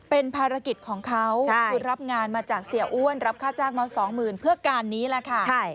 เป็นภารกิจของเขาคือรับงานมาจากเสียอ้วนรับค่าจ้างมาสองหมื่นเพื่อการนี้แหละค่ะ